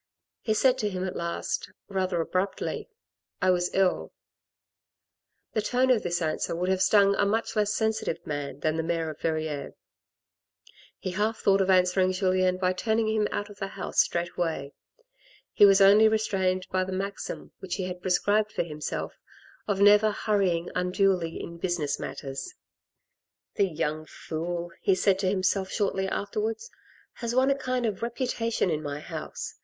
He said to him at last, rather abruptly, " I was ill." The tone of this answer would have stung a much less sensitive man than the mayor of Verrieres. He half thought of answering Julien by turning him out of the house straight away. He was only restrained by the maxim which he had 58 THE RED AND THE BLACK prescribed for himself, of never hurrying unduly in business matters. "The young fool," he said to himself shortly afterwards, "has won a kind of reputation in my house.